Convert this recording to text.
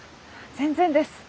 全然です。